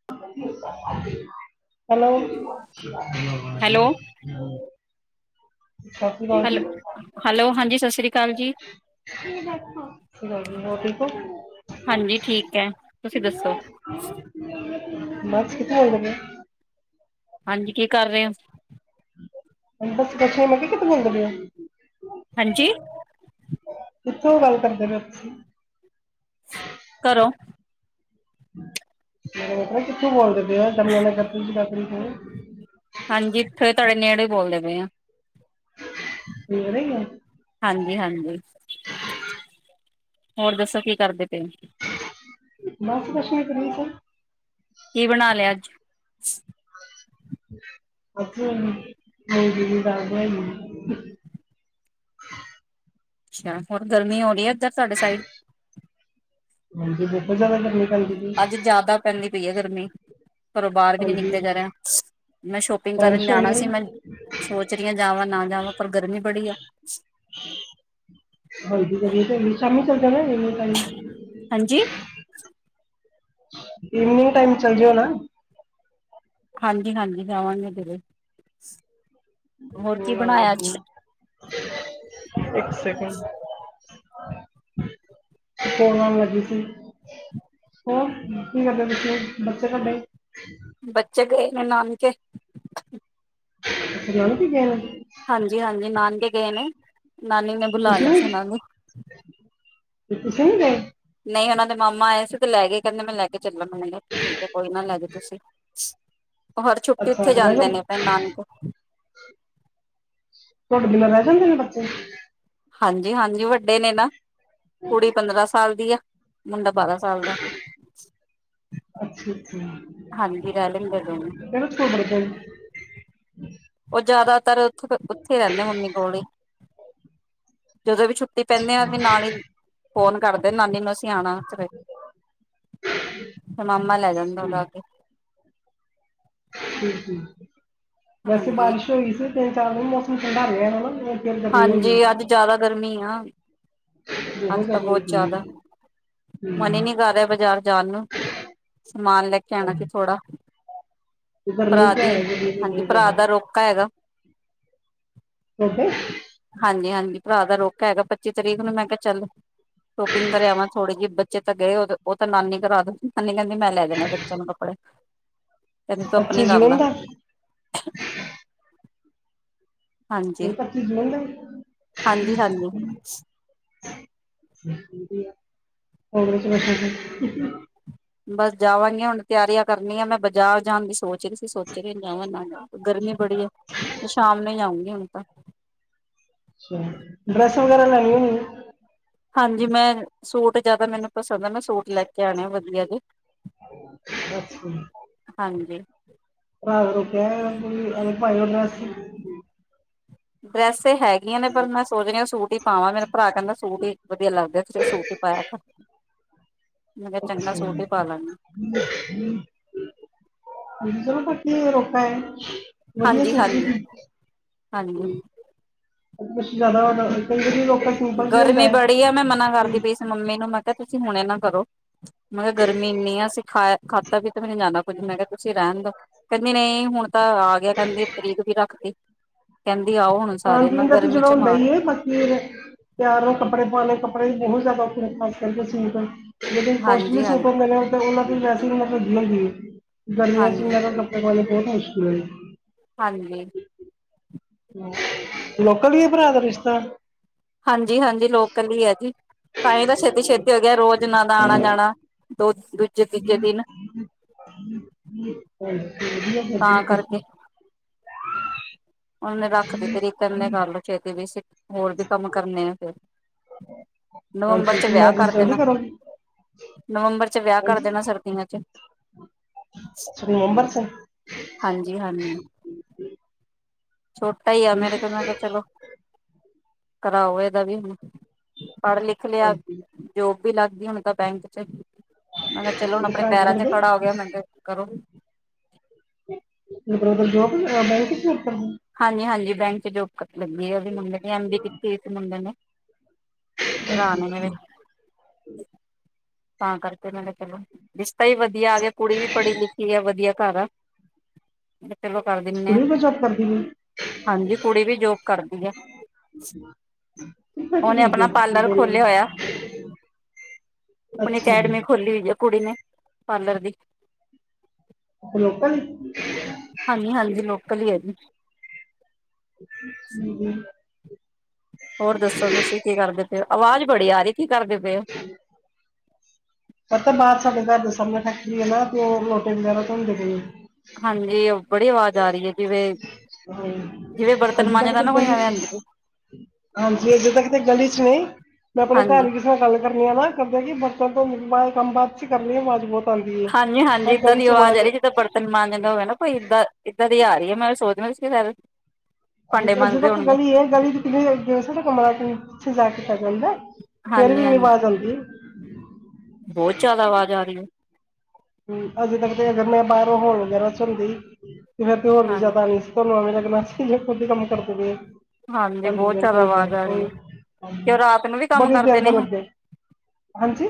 [unintelligible] Hello [unintelligible] [inaudible] hello ਸਤਿ hello hello ਹਾਂਜੀ ਸਤਿ ਸ੍ਰੀ ਅਕਾਲ ਜੀ ਸ਼੍ਰੀ ਅਕਾਲ ਜੀ ਹੋਰ ਠੀਕ ਓ। ਹਾਂਜੀ ਠੀਕ ਹੈ ਤੁਸੀਂ ਦੱਸੋ ਮਛ ਕਿਥੇ ਆਏ ਦੇਨੇ। [unintelligible] ਹਾਂਜੀ ਕੀ ਕਰ ਰਏ ਅ। ਹ ਬੱਸਛ ਮ ਕਿਹਾ ਕਿੱਥੋਂ ਬੋਮਦੇ ਪੇ ਯੋ। [unintelligible] ਹਾਂਜੀ ਕਿੱਥੋਂ ਗੱਲ ਕਰਦੇ ਪਏ ਤੁਸੀ। ਘਰੋਂ ਮੈ ਕਿਆ ਕਿਥੋਂ ਬੋਲਦੇ। [unintelligible] ਹਾਂਜੀਥੇ। ਤੁਹਾਡੇ ਨੇੜੇ ਬੋਲਦੇ ਪਏ ਆ। ਨੇੜੇ ਈ ਅ। ਜ--ਹਾਂਜੀ। ਹੋਰ ਦੱਸੋ ਕੀ ਕਰਦੇ ਪਏ। ਮਸ ਪ੍ਰਛਣਾ ਕਰ ਰ ਸ [unintelligible] ਕੀ ਬਣਾ ਲਿਆ ਅੱਜ। ਅਜ ਰੋਂਗੀ ਦੀ ਦਾਲ ਬਣਾਈ ਏ। ਅੱਛਾ ਹੋਰ ਗਰਮੀ ਹੋਣੀ ਹੈ ਐਦਰ। ਸਾਡੇ ਸਾਈਡ। ਹਾਂਜੀ ਬ ਬਜਾ ਲੈਂਦਾ। [unintelligible] ਅੱਜ ਜਿਆਦਾ ਪੈਂਦੀ ਪਈ ਏ ਗ਼। ਰਮੀ ਘਰੋਂ ਬਾਰ ਵੀ ਨੀ ਹਾਂਜੀ ਨਿਕਲੇਆ ਜਾ ਰਿਆ ਮੈਂ ਸ਼ੋਪਿੰਗ ਕਰਨ ਬਾਰਿਸ਼ ਹੋਈ ਜਾਣਾ ਹੈ ਸੀ ਮੈਂ ਸੋਚ ਰੀ ਆ ਜਾਵਾਂ ਨਾ ਜਾਵਾਂ ਪਰ ਗਰਮੀ ਬੜੀ ਆ। ਕਿਵੇ ਲ ਹਾਂਜੀ ਪ। [unintelligible] ਇਵਨਿੰਗ ਟਾਈਮ ਚੱਲ ਜਯੋ ਨਾ। ਹਾਂਜੀ ਹਾਂਜੀ ਜਾਵਾਂਗੇ ਹੋਰ ਕੀ ਬਣਾਇਆ ਅੱਜ [unintelligible] ਇੱਕ ਸੇਕਿੰਡ। ਸੋ ਆਉਣ ਲੱਗੀ ਸੀ [unintelligible] ਹੋ ਕੀ ਕਰਦੇ ਤੁਸੀਂ। ਬੱਚੇ [unintelligible] ਇਹ ਨਾਨਕੇ [unintelligible] ਕੀ ਕਹਿਣਾ ਹਾਂਜੀ ਹਾਂਜੀ ਨਾਲ [unintelligible] ਗਏ ਨੇ ਨਾਨੀ ਨੇ ਬੁਲਾ ਤੁਸੀਂ ਲਿਆ ਸੀ ਨਹੀਂ ਉਹਨਾਂ ਨੂੰ ਤੁਸੀਂ ਨਹੀਂ ਗਏ? ਨਹੀਂ ਉਹਨਾਂ ਦੇ ਮਾਮਾ ਆਏ ਸੀ ਤੇ ਲੈ ਗਏ ਕਹਿੰਦੇ ਮੈਂ ਲੈ ਕੇ ਚੱਲਾਂ ਮੈ ਕਿਹਾ ਠੀਕ ਹੈ ਕੋਈ ਨਾ ਲੈ ਜਾਓ ਤੁਸੀਂ ਹਰ ਛੁੱਟੀ ਅੱਛਾ ਉੱਥੇ ਰਹਿ ਜਾ ਜਾਂਦੇ ਨੇ ਆਪਣੇ ਨਾਨਕੇ ਤੁਹਾਡੇ ਬਿਨਾ ਰਹਿ ਜਾਂਦੇ ਨੇ ਬੱਚੇ ਹਾਂਜੀ ਹਾਂਜੀ ਵੱਡੇ ਨੇ ਨਾ ਕੁੜੀ ਪੰਦਰਾਂ ਸਾਲ ਦੀ ਆ ਮੁੰਡਾ ਬਾਰਾਂ ਸਾਲ ਦਾ ਅੱਛਾ ਅੱਛਾ ਹਾਂਜੀ ਰਹਿ ਲੈਂਦੇ ਦੋਵੇ ਹਮ ਉਹ ਜ਼ਿਆਦਾਤਰ ਉੱਥੇ ਰਹਿੰਦੇ ਮੰਮੀ ਕੋਲ ਜਦੋਂ ਵੀ ਛੁੱਟੀ ਪੈਂਦੇ ਆ ਵੀ ਨਾਲ ਹੀ ਫੋਨ ਕਰਦੇ ਨਾਨੀ ਨੂੰ ਅਸੀਂ ਆਉਣਾ ਫਿਰ ਮਾਮਾ ਲੈ ਜਾਂਦਾ ਉਦਾ ਆ ਕੇ ਹਮ ਹਮ ਵੈਸੇ ਹਾਂਜੀ-ਹਾਂਜੀ ਬਾਰਿਸ਼ ਹੋ ਗਈ ਸੀ ਤਿੰਨ ਚਾਰ ਵਜੇ ਮੋਸਮ [unintelligible] ਹਾਂਜੀ ਅੱਜ ਜਿਆਦਾ ਗਰਮੀ ਆ [inaudible] ਅੱਜ ਤਾਂ ਜ਼ਿਆਦਾ ਹੋਈ ਬਹੁਤ ਜ਼ਿਆਦਾ ਗਈ ਮਨ ਹੀ ਹਮ ਨੀ ਕਰ ਰਿਹਾ ਬਾਜ਼ਾਰ ਜਾਣ ਨੂੰ ਸਮਾਨ ਲੈ ਕੇ ਆਣਾ ਕਿ ਥੋੜਾ ਤੇ ਗਰਮੀ ਭਰਾ ਤਾਂ ਦੀ ਹੈ ਗਰਮੀ ਹਾਂਜੀ ਭਰਾ ਦਾ ਰੋਕਾ ਹੈਗਾ ਓਕੇ ਹਾਂਜੀ ਹਾਂਜੀ ਭਰਾ ਦਾ ਰੋਕਾ ਹੈਗਾ ਪੱਚੀ ਤਰੀਕ ਨੂੰ ਮੈਂ ਕਿਹਾ ਚੱਲੂ ਸ਼ੋਪਿੰਗ ਕਰਿਆਾਂ ਥੋੜੀ ਜਿਹੀ ਬੱਚੇ ਤਾਂ ਗਏ ਉਹ ਉਹ ਤਾਂ ਨਾਨੀ [unintelligible] ਨਾਨੀ ਕਹਿੰਦੀ ਮੈਂ ਲੈ ਦੇਣੇ ਬੱਚਿਆਂ ਨੂੰ ਕੱਪੜੇ ਕਹਿੰਦੀ ਤੂੰ ਪੱਚੀ ਆਪਣੀ ਕਰ ਜੂਨ ਲਾ ਦਾ ਹਾਂਜੀ ਇਹ ਪੱਚੀ ਜੂਨ ਦਾ ਹਾਂਜੀ ਹਾਂਜੀ [unintelligible] ਬਸ ਜਾਵਾਂਗੀ ਹੁਣ ਤਿਆਰੀਆਂ ਕਰਨੀਆਂ ਮੈਂ ਬਾਜ਼ਾਰ ਜਾਣ ਦੀ ਸੋਚ ਰਹੀ ਸੀ ਸੋਚਾ ਜਾਵਾ ਨਾ ਗਰਮੀ ਬੜੀ ਆ ਸ਼ਾਮ ਨੂੰ ਜਾਊਗੀ ਹੁਣ ਤਾ ਅੱਛਾ ਡਰੈਸ ਵਗੈਰਾ ਲੈਣੀ ਹੋਨੀ ਹਾਂਜੀ ਮੈਂ, ਸੂਟ ਜਿਆਦਾ ਮੈਨੂੰ ਪਸੰਦ ਆ ਮੈਂ ਸੂਟ ਲੈ ਕੇ ਆਣੇ ਆ ਵਧੀਆ ਜੇ, ਅੱਛਾ ਹਾਂਜੀ ਭਰਾ ਰੋਕਿਆ ਅਰੇ ਭਾਈ ਉਹ ਡਰੈੱਸ ਤੇ ਹੈਗੀਆਂ ਨੇ ਪਰ ਮੈਂ ਸੋਚ ਰਹੀ ਸੂਟ ਈ ਪਾਵਾਂ ਮੇਰਾ ਭਰਾ ਕਹਿੰਦਾ ਸੂਟ ਵਧੀਆ ਲੱਗਦਾ ਤੇਰੇ ਸੂਟ ਹੀ ਪਾਇਆ ਮੈਂ ਕਿਹਾ [inaudible] ਅ ਚੰਗਾ ਸੂਟ ਹੀ ਪਾ ਲਾਂਗੀ ਵਧੀਆ ਹਾਂਜੀ ਸੂਟ ਛ ਹਾਂਜੀ ਹਾਂਜੀ ਜ਼ਿਆਦਾ ਹੋਦਾ ਗਰਮੀ ਬੜੀ ਆ ਮੈਂ ਮਨਾ ਕਰਦੀ ਪਈ ਇਸ ਮੰਮੀ ਨੂੰ ਮੈਂ ਤਾਂ ਤੁਸੀਂ ਹੁਣ ਇਹ ਕਰੋ ਮੈਂ ਕਿਹਾ ਗਰਮੀ ਇੰਨੀ ਆ ਅਸੀਂ ਖਾਇਆ ਖਾਤਾ ਵੀ ਤੇ ਮੈਨੂੰ ਜਾਂਦਾ ਕੁੱਝ ਮੈਂ ਕਿਹਾ ਤੁਸੀਂ ਰਹਿਣ ਦੋ, ਕਹਿੰਦੀ ਨਹੀਂ, ਹੁਣ ਤਾਂ ਆ ਗਿਆ ਕਹਿੰਦੀ ਤਰੀਕ ਵੀ ਰੱਖਤੀ ਕ ਪਾਣ -ਪੀਣ ਦਾ ਤਾਂ ਜਿਹੜਾ ਹੁੰਦਾ ਹੈ ਬਾਕੀ ਪਿਆਰ ਨਾਲ ਕੱਪੜੇ ਪਾਉਣੇ ਕੱਪੜੇ ਵੀ ਬਹੁਤ ਜ਼ਿਆਦਾ ਉਥੇ ਖਾਸ ਕਰਕੇ ਸੀ ਜਿਹੜੇ ਹਾਂਜੀ ਕੋਸਟਲੀ ਸੂਟ ਹਾਂਜੀ ਹੁੰਦੇ ਨੇ ਉਹਨਾਂ [unintelligible] ਗਰਮੀਆਂ ਸੀ ਹਾਂਜੀ ਨਗਰ ਲੱ ਵਾਲੇ ਪਹੁਤ ਹ ਹਾਂਜੀ ਲੋਕਲ ਈ ਐ ਭਰਾ ਦਾ ਰਿਸ਼ਤਾ ਹਾਂਜੀ -ਹਾਂਜੀ ਲੋਕਲ ਹੀ ਹੈ ਜੀ, ਤਾਂ ਹੀ ਤਾਂ ਛੇਤੀ- ਛੇਤੀ ਹੋ ਗਿਆ ਰੋਜ਼ ਨ ਦਾ ਆਣਾ- ਜਾਣਾ ਦੋ ਦੂਜੇ -ਤੀਜੇ ਦਿਨ ਹਾਂਜੀ ਵਧੀਆ ਤਾਂ ਕਰ ਕਰਕੇ ਉਹਨੇ ਰੱਖ ਦਿੱਤੀ ਤਰੀਕ, ਕਹਿਦੇ ਕਰ ਲੋ, ਛੇਤੀ ਵੀ ਸੀ ਹੋਰ ਵੀ ਕੰਮ ਕਰਨੇ ਆ ਫਿਰ ਨਵੰਬਰ ਚ ਹਾਂਜੀ, ਵਿਆਹ ਮੈਰਿਜ ਕਰ ਜਲਦੀ ਦੇਣਾ ਕਰੋਗੇ ਨਵੰਬਰ ਚ ਵਿਆਹ ਕਰ ਦੇਣਾ ਸਰਦੀਆਂ ਚ ਅੱਛਾ ਮੁੰਬਰ ਸ [inaudible] ਛੋਟਾ ਹੀ ਆ ਠੀਕ ਮੇਰੇ ਹੈ ਤੇ ਮੈਂ ਕਿਹਾ ਚਲੋ ਕਰਾਓ ਇਹਦਾ ਵੀ ਹੁਣ ਪੜ੍ਹ ਲਿਖ ਲਿਆ ਹਾਂਜੀ ਜੋ ਵੀ ਲੱਗ ਗੀ ਹੋਣ ਤਾਂ ਬੈਂਕ ਚ ਮੈਂ ਕਿਹਾ ਚਲੋ ਹੁਣ ਕਿਹੜੇ ਆਪਣੇ ਭਰਾ ਕੀ ਪੈਰਾਂ ਤੇ ਕਰਦੇ ਖੜਾ ਹੋ ਗਿਆ ਮੈਂ ਕਿਹਾ ਕਰੋ ਉ ਜੋ ਬੈਂਕ ਹਾਂਜੀ ਹਾਂਜੀ ਬੈਂਕ ਚ ਜੋਤ ਲੱਗੀ ਆ ਉਹਦੀ ਮੁੰਡੇ ਨੇ ਐਮ ਬੀ ਏ ਕੀਤੀ ਸੀ ਮੁੰਡੇ ਨੇ ਅ ਅੱਛਾ ਭਰਾ ਨੇ ਤਤਾਂ ਕਰਕੇ ਮੈ ਕਿਹਾ ਚਲੋ ਰਿਸ਼ਤਾ ਹੀ ਵਧੀਆ ਆ ਗਿਆ ਕੁੜੀ ਵੀ ਪੜ੍ਹੀ ਲਿਖੀ ਆ ਵਧੀਆ ਘਰ ਆ ਹ ਚਲੋ ਕਰ ਦਿੰਦੇ ਹ ਕੁੜੀ ਵੀ ਜੋਬ ਕਰਦੀ ਹੈ ਹਾਂਜੀ ਕੁੜੀ ਵੀ ਜੋਬ ਕਰਦੀ ਆ ਕਿੱਥੇ ਉਹਨੇ ਚਲੀ ਆਪਣਾ ਪਾਰਲਰ ਖੋਲਿਆ ਹੋਇਆ ਗਈ ਅਕੈਡਮੀ ਅੱਛਾ ਖੋਲੀ ਹੋਈ ਏ ਕੁੜੀ ਨੇ ਪਾਰਲਰ ਦੀ ਛ ਲੋਕਲ ਹਾਂਜੀ ਹਾਂਜੀ ਲੋਕਲ ਹੀ ਹੈ ਜੀ ਹੂੰ ਹੋਰ ਦੱਸੋ ਤੁਸੀਂ ਕੀ ਕਰਦੇ ਤੇ ਆਵਾਜ਼ ਬੜੀ ਆ ਰਹੀ ਕੀ ਕਰਦੇ ਪਏ ਹੋ ਪਤਾ ਬਾਹਦ ਸਾ ਘਰ ਦੇ ਸਾਹਮਣੇ ਠੱਕੀਏ ਨਾ ਉਹ ਲ ਲੋਟੇ ਵਗੈਰਾ ਧੋਂਦੇ ਗਈ ਹਾਂਜੀ ਉਹ ਜਿਵੇਂ ਬਰਤਨ ਅਜ ਮਾਂਜਦਾ ਤ ਨਾ ਕੋਈ ਗਲੀ ਐਵੇਂ ਆਂਦੀ ਹਾਂਜੀ ਅਜੇ ਤ ਕਿਤੇ ਗਲੀ ਚ ਨਹੀਂ ਮੈਂ ਆਪਣੇ ਘਰ ਹਾਂਜੀ ਦੀ ਕਿਸੇ ਨਾਲ ਗੱਲ ਕਰਨੀ ਆ ਨਾ ਕਰਦੇ ਆ ਕਿ ਬ ਕੰਮ ਬਾਦ ਚ ਕਰ ਰ ਮਾਜ਼ਬੂਤ ਹਾਂਜੀ ਹਾਂਜੀ ਇਏਦਾਂ ਦੀ ਆਵਾਜ਼ ਹੈ ਜੀ ਜਿੱਦਾਂ ਬਰਤਨ ਮਾਂਜਦਾ ਹੋਵੇ ਨਾ ਕੋਈ ਇਏਦਾਂ ਇੱਦਾਂ ਦੀ ਆ ਰਹੀ ਹੈ ਮੈਂ ਸੋਚਦਾ ਸੀ ਸਰ ਅਜੇ ਤੱਕ ਗਲੀ ਹੈ ਗਲੀ ਦੀੋਟੇ ਕਮ ਲ ਸ ਜਾਾ ਕੇ ਕੀਤਾ ਜਾਂਦਾ ਫੇਰ ਵੀ ਹਾਂਜੀ ਨੀ ਹਾਂਜੀ ਆਵਾਜ਼ ਆਉਂਦੀ ਬਹੁਤ ਜਿਆਦਾ ਆਵਾਜ਼ ਆ ਰਹੀ ਹੈ ਹਮ, ਅਜੇ ਤੱਕ ਤੇ ਅਗਰ ਮੈਂ ਬਾਹਰੋਂ ਹੋਰ ਵਗੈਰਾ ਚ ਹੁੰਦੀ ਇਦਾਂ ਤੇ ਹੋਰ ਵੀ ਹਾਂ ਜਾਦਾ ਰਿਸ੍ਕ ਏ ਓਹਨੇ [unintelligible] ਗਰੋਸਰੀ ਏ, ਖੁਦ ਹੀ ਕੰਮ ਕਰਦੇ ਬਏ ਹਾਂਜੀ ਬਹੁਤ ਜਿਆਦਾ ਆਵਾਜ਼ ਆ ਰਹੀ ਹੈ, ਤੇ ਹਾਂਜੀ ਉਹ ਰਾਤ ਨੂੰ ਵੀ ਕੰਮ ਬੜੀ ਦੇਰ ਕਰਦੇ ਦਾ ਨੇਹੇ? ਲੱਗੇ ਹਾਂਜੀ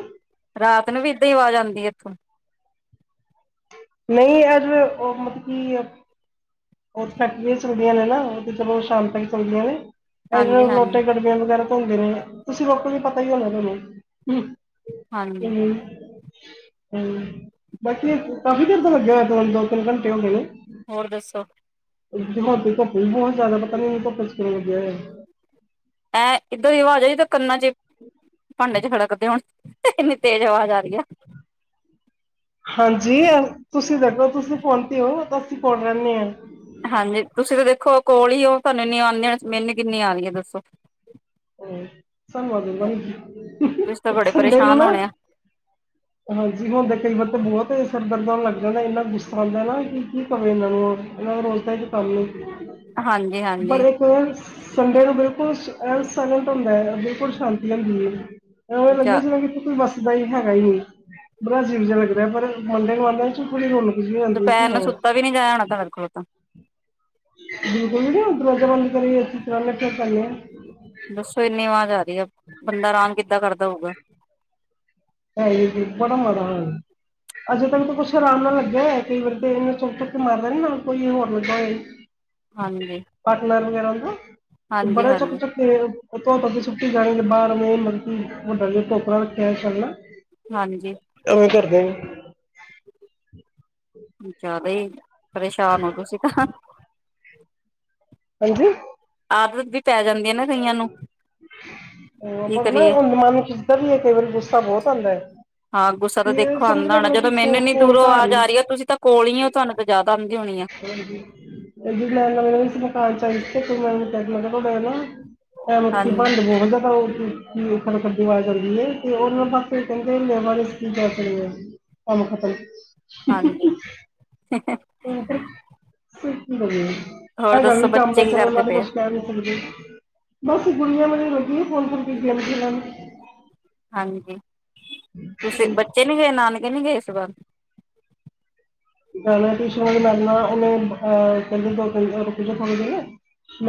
ਰਾਤ ਨੂੰ ਵੀ ਏਦਾਂ ਹੀ ਆਵਾਜ਼ ਆਉਂਦੀ ਹੈ ਇੱਥੋਂ? ਨਹੀਂ ਅੱਜ ਉਹ ਮਤਲਬ ਕੀ ਉੱਥੇ ਫੈਕਟਰੀਆਂ ਚਲਦੀਆਂ ਨੇ ਨਾ, ਉਹ ਤੇ ਚਲੋ ਸ਼ਾਮ ਤੱਕ ਚੱਲਦੀਆਂ ਨੇ। ਇਹ ਹਾਂਜੀ ਹਾਂਜੀ ਲੋੋਟੇ, ਗੜਬੇ, ਵਗੈਰਾ। ਹੁੰਦੇ ਨੇ, ਤੁਸੀਂ ਲੋਕਾਂ ਨੂੰ ਪਤਾ ਹੀ ਹੋਣਾ ਤੁਹਾਨੂੰ ਹੁੰ ਹਾਂਜੀ। ਹਮ ਬਾਕੀ ਕਾਫ਼ੀ ਦੇਰ ਤੋਂ ਲੱਗਿਆ [unintelligible] ਦੋ ਤਿੰਨ ਘੰਟੇ ਹੋ ਗਏ। ਹੋਰ ਦੱਸੋ? ਜਮਾਂ ਪੀਕਅੱਪ ਬਹੁਤ ਜਿਆਦਾ ਪਤਾ ਨੀ [unintelligible] ਪੁੱਛ ਕੇ ਗਿਆ ਹੈ। ਐਂ ਇੱਧਰ ਦੀ ਆਵਾਜ਼ ਆ ਜੋ ਕੰਨਾ ਚ ਭਾਂਡੇ ਜੇ ਖੜਕਦੇ ਹੋਣ, ਇੰਨੀ ਤੇਜ਼ ਆਵਾਜ਼ ਆ ਰਹੀ ਆ। ਹਾਂਜੀ ਅ ਤੁਸੀਂ ਦੇਖੋ, ਤੁਸੀਂ ਫੋਨ ਤੇ ਹੋ, ਅਸੀਂ ਕੋਲ ਰਹਿਣੇ ਹਾਂ। ਹਾਂਜੀ, ਤੁਸੀਂ ਤਾਂ ਦੇਖੋ ਕੋਲ ਹੀ ਹੋ, ਤੁਹਾਨੂੰ ਇਨੀਆ ਆਉਂਦੀਆਂ, ਮੈਨੂੰ ਕਿੰਨੀ ਆਉਣਗੀਆਂ ਦੱਸੋ? ਹਾਂ, ਧੰਨਵਾਦ ਤੁਸੀਂ ਤਾਂ [unintelligible] ਬੜੇ ਸੰਡੇ ਨੂੰ ਪਰੇਸ਼ਾਨ ਨਾ, ਹੋਣੇ ਆ ਹਾਂਜੀ ਹੁਣਦਾ ਕਈ ਵਾਰ ਤਾਂ ਬਹੁਤ ਸਰਦਰਦ ਆਉਣ ਲੱਗ ਇਹਨਾਂ ਦਾ ਇੰਨਾ ਗੁੱਸਾ ਆਉਂਦਾ ਨਾ, ਕਿ ਕੀ ਕਵੇ ਇਹਨਾਂ ਨੂੰ? ਇਹਨਾਂ ਦਾ ਰੋਜ਼ ਦਾ ਹੀ ਤੇ ਕੰਮ ਹੈ। ਹਾਂਜੀ-ਹਾਂਜੀ। ਸੰਡੇ ਨੂੰ ਬਿਲਕੁਲ ਸ ਏਂਸ [unintelligible] ਹੁੰਦਾ ਏ, ਬਿਲਕੁਲ ਸ਼ਾਂਤੀ ਹੁੰਦੀ ਹੈ। ਹੋਰ ਜਾ ਲੱਗੇ ਸੀ ਨਾ ਕਿ ਕਿੱਥੇ ਕੋਈ ਬੱਸ ਬਈ ਹੈਗਾ ਹੀ ਨਹੀਂ, ਬੜਾ ਅਜੀਵ ਜਿਹਾ ਲੱਗਦਾ ਏ, ਪਰ ਮੁੰਡੇ ਵਾਲੇ ਚ ਕੁੜੀ ਵੱਲੋਂ ਦੁਪਹਿਰ ਨੂੰ ਸੁੱਤਾ ਵੀ ਨੀ ਜਾਇਆ ਹੋਣਾ ਤੁਹਾਡੇ ਕੋਲੋ ਤਾਂ? ਬਿਲਕੁਲ ਵੀ ਦਰਵਾਜਾ ਬੰਦ ਕਰੀਏ ਏ ਸੀ ਲਗਿਆ [unintelligible] ਦੱਸੋ ਇੰਨੀ ਆਵਾਜ਼ ਆ ਬੰਦਾ ਆਰਾਮ ਕਿੱਦਾਂ ਕਰ ਦਓਗਾ। ਹਾਏ ਬੜਾ ਮਾੜਾ ਹੋਇਆ, ਅਜੇ ਤੱਕ ਤਾਂ ਕੁਛ ਆਰਾਮ ਨਾਲ ਲੱਗਿਆ ਹੋਆ ਸੀ, ਕਈ ਵਾਰੀ ਤੇ ਇਹਨੇ ਚੁੱਕ-ਚੁੱਕ ਕੇ ਮਾਰਦਾ ਨੀ ਨਾਲ ਕੋਈ ਹੋਰ ਲੱਗਾ ਹੋਇਆ ਈ। ਹਾਂਜੀ ਪਾਟਨਰ ਵਗੈਰਾ। [inaudible] ਹਾਂਜੀ ਬੜਾ ਹਾਂਜੀ ਚੁੱਕ-ਚੁੱਕ ਕੇ ਉਤੋਂ ਕਦੇ ਛੁੱਟੀ ਜਾਂ ਆਈ ਏ ਬਾਹਰ ਮ ਮਲਬ ਕਿ ਵਡਾ ਜਿਹਾ ਟੋਕਰਾ ਰੱਖਿਆ ਚੱਲਣਾ। ਹਾਂਜੀ ਐਵੇਂ ਕਰਦੇ ਨੇ। ਅੱਛਾ ਬਈ। ਪਰੇਸ਼ਾਨ ਹੋ ਤੁਸੀਂ ਤਾਂ। ਹਾਂਜੀ ਆਦਤ ਵਿ ਕੀ ਹ ਨਾ ਕਰੀਏ ਅੰਦ ਮਨ ਕਿਸਦਾਂ ਵੀ ਹੈ। ਕਈ ਵਾਰੀ ਗੁੱਸਾ ਬਹੁਤ ਆਦਾ ਹਾਂ, ਗੁੱਸਾ ਤਾਂ ਦੇਖੋ ਆਉਂਦਾ ਹੋਣਾ ਜਦੋਂ ਮੈਨੂੰ ਕੋ ਇੰਨੀ ਕੋਲ ਦੂਰੋਂ ਆਵਾਜ਼ ਆ ਰਹੀ ਹੈ। ਤੁਸੀਂ ਤਾਂ ਕੋਲ ਹੀ ਹੋ ਤੁਹਾਨੂੰ ਤਾਂ ਜ਼ਿਆਦਾ ਆਉਂਦੀ ਹੋਣੀ ਆ [unintelligible] [unintelligible] ਬਏ ਨਾ ਹੋ [unintelligible] ਖਰੋ ਦੀਵਾ ਕਰਦੀ ਹੈ ਹਾਂਜੀ ਤੇ ਉਹ ਨਾਲ ਬਾ ਫ ਕਹਿੰਦੇ ਲੇਬਰ ਕਰ ਕੰਮ ਖਤਮ [inaudible] ਹਾਂਜੀ ਮਟਰ ਸ [unintelligible] ਹੋਰ ਹੈਗਾ ਵੀ ਦੱਸੋ ਕੰਮ ਬੱਚੇ ਕੀ ਚਲੋ ਕਰਦੇ ਨਾਲੇ ਪਏ ਆ? ਕੁਛ ਕਹਿ ਨੀ ਸਕਦੇ ਬੱਸ ਗੁਣੀਆਂ ਮਣੀਆ ਲੱਗੀਆ ਫੋਨ ਫੜ ਕੇ ਗੇਮ ਖੇਲਣ ਹਾਂਜੀ, ਤੁਸੀਂ ਬੱਚੇ ਨੀ ਗਏ, ਨਾਨਕੇ ਨੀ ਗਏ, ਇਸ ਵਾਰ [unintelligible] ਮੈਂ ਵੀ ਸਨ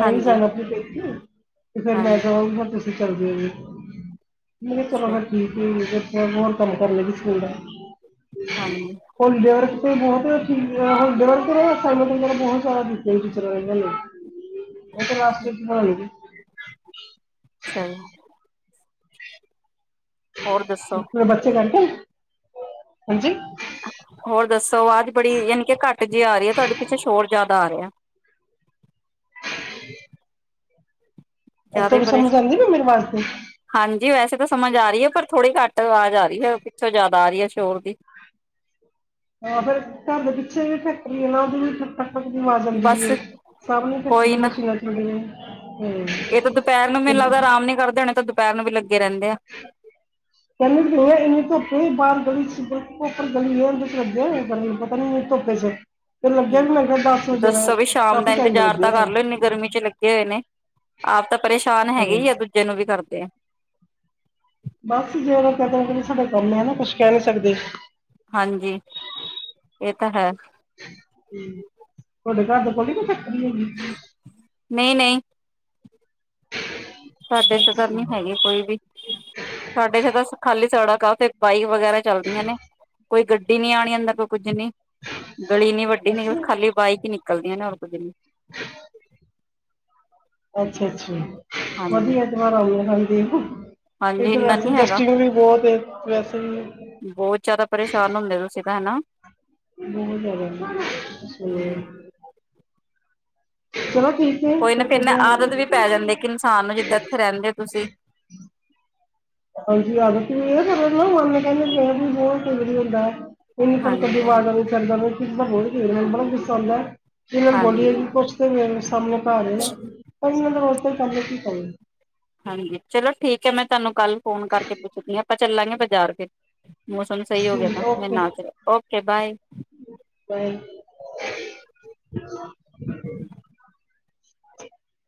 ਹਾਂਜੀ ਆਪਣੀ ਪੇਕੀ, ਤੇ ਫੇਰ ਮੈਂ ਹਾਂਜੀ ਕਹਾਂਗਾ ਤੁਸੀਂ ਚੱਲਦੇ ਹੋ- [unintelligible] ਕੰਮ ਅੱਛਾ ਕਰ ਲੇਗੀ ਸਕੂਲ ਦਾ- ਹਾਂਜੀ ਹੋਲੀ ਡੇ ਵਰਕ- [unintelligible] [unintelligible] ਅੱਛਾ ਜੀ ਹੋਰ ਦੱਸੋ ਮਰੇ ਬੱਚੇ ਕਰਕੇ ਨਾ- [unintelligible] ਹਾਂਜੀ ਹੋਰ ਦੱਸੋ ਵਾਜ ਬੜੀ ਯਾਨੀ ਕਿ ਘੱਟ ਜਿਹੀ ਆ ਰਹੀ ਏ। ਤੁਹਾਡੇ ਪਿੱਛੇ ਸ਼ੋਰ ਜਿਆਦਾ ਆ ਰਿਆ। [unintelligible] ਇਸ ਜ਼ਿਆਦਾ ਈ ਤੋਂ ਪਰੇਸ਼। ਸਮਝ ਆਉਂਦੀ ਨਾ ਮੇਰੇ ਵਾਸਤੇ ਹਾਂਜੀ ਵੈਸੇ ਤਾਂ ਸਮਝ ਆ ਰਹੀ ਹੈ, ਪਰ- ਥੋੜ੍ਹੀ ਘੱਟ ਆਵਾਜ਼ ਆ ਰਹੀ ਏ। ਪਿੱਛੋਂ ਜਿਆਦਾ ਆ ਰਈ ਹੈ ਸ਼ੋਰ ਦੀ- ਏ ਫਾਰ ਫੈਕਟਰੀ ਏ ਨਾ ਓਦੀ ਵੀ ਠਕ-ਠਕ- [unintelligible] ਬਸ, ਕੋਈ ਫੈਕਟਰੀ ਨਾ ਮਸ਼ੀਨਾਂ ਚੱਲਦੀਆਂ ਹੂੰ ਏ ਤਾਂ ਦੁਪਹਿਰ ਨੂੰ ਮੈਨੂੰ ਲੱਗਦਾ ਆਰਾਮ ਨੀ ਕਰਦੇ ਹੋਣੇ। ਏ ਤਾਂ ਦੁਪਹਿਰ ਨੂੰ ਵੀ ਲੱਗ- ਚੱਲ ਫੇਰ ਇੰਨੀ ਧੁੱਪ ਏ- ਬਾਹਰ ਗਲੀ'ਚ ਉਪਰ ਗਲੀ ਏ। ਉਦੇ'ਚ ਲਗੇ ਹੋਏ ਗਰਮੀ'ਚ ਓ ਪਰੇ ਧੁੱਪੇ'ਚ। ਹੂੰ- ਦੱਸੋ ਵੀ ਸ਼ਾਮ ਦਾ ਕਾਫੀ ਟਾਈਮ ਇੰਤਜ਼ਾਰ ਤਾਂ ਲੱਗਿਆ ਕਰ ਲੋ ਇੰਨੀ ਗਰਮੀ ਚ ਲੱਗੇ ਓਏ ਨੇ। ਆਪ ਤਾਂ ਪਰੇਸ਼ਾਨ ਹੈਗੇ ਹੈ ਈ ਆ ਦੂਜੇ ਨੂੰ ਵੀ ਕਰਦੇ ਆ। ਬਸ ਜੇ ਓਨਾ ਕਹਿਤਾ ਕਿ ਸਾਡਾ ਕੰਮ ਏ। ਨਾ ਕੁਝ ਕਹਿ ਨੀ ਸਕਦੇ। ਹਾਂਜੀ ਏ ਤਾਂ ਹੈ। ਤੁਹਾਡੇ ਘਰ ਦੇ ਕੋਲ ਵੀ ਕੋਈ ਫੈਕਟਰੀ ਹੈਗੀ? [inaudible] ਨਹੀਂ ਨਹੀਂ। [inaudible] ਸਾਡੇ ਚ ਏਧਰ ਨੀ ਅੱਛਾ ਹੈਗੇ ਕੋਈ ਵੀ। ਸਾਡੇ ਚ ਤਾਂ ਖਾਲੀ ਸੜਕ ਆ। ਤੇ ਬਾਈ ਕ ਵਗੈਰਾ ਚੱਲਦੀਆਂ ਨੇ। ਕੋਈ ਗੱਡੀ ਨੀ ਆਣੀ ਅੰਦਰ। ਕੋਈ ਕੁੱਝ ਨੀ ਗਲੀ ਇਨੀ ਵੱਡੀ ਨੀ, ਅੱਛਾ ਖਾਲੀ ਬਾਈਕ ਈ ਨਿਕਲਦੀਆਂ ਨੇ ਹੋਰ ਕੁਝ ਨੀ। ਅੱਛਾ ਅੱਛਾ। ਵਧੀਆ ਹਾਂਜੀ-ਹਾਂਜੀ ਐਤਵਾਰ ਆ ਗਿਆ ਕੱਲ। [inaudible] ਇਥੇ ਇੰਨਾ ਵੈਸੇ ਨੀ ਹੈਗਾ ਜਸ਼ਟੀ ਵੀ ਬਹੁਤ ਏ, ਵੈਸੇ। ਤੇ ਹੈ ਨਾ। ਹੂੰ [unintelligible] ਚੱਲੋ ਕੋਈ ਨਾ ਫੇਰ ਨਾ ਆਦਤ ਵੀ ਪੈ ਜਾਂਦੀ ਇਕ ਇਨਸਾਨ ਨੂੰ ਜਿੱਦਾਂ ਇੱਥੇ ਰਹਿੰਦੇ ਹੋ ਤੁਸੀਂ। ਹਾਂਜੀ ਹਾਂਜੀ, ੳ ਤਾਂ ਹੈ। [unintelligible] ਇੰਨੀ ਕੜਕੇ ਦੀ ਹਾਂਜੀ ਹਾਂਜੀ ਆਵਾਜ਼ਾਂ ਚੜ੍ਹਦਾ ਵੇਂ ਪੀੜ ਮਨ ਬੜਾ ਗੁੱਸਾ ਹਾਂਜੀ ਆਂਦੇ ਕੁੱਛ ਮੇਰੇ ਸਾਹਮਣੇ ਪਾ ਰਹੇ ਆ ਪਰ ਇਹਨਾਂ ਦਾ [inaudible] ਹਾਂਜੀ ਚਲੋ ਠੀਕ ਹੈ। ਮੈਂ ਤੁਹਾਨੂੰ ਕੱਲ ਫੋਨ ਕਰਕੇ ਪੁੱਛਦੀ ਆ ਆਪਾਂ ਚੱਲਾਂਗੇ ਬਾਜ਼ਾਰ ਫੇਰ। ਮੌਸਮ ਸਹੀ ਹੋ ਗਿਆ ਜੀ ਤਾ। ਮੈਂ ਓਕੇ ਨਾ ਚਲਾ ਓਕੇ ਬਾਏ। [unintelligible] [unintelligible] [unintelligible]